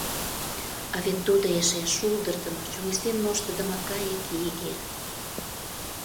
А вет тудо эше шулдырдымо, чоҥештен моштыдымо кайык иге...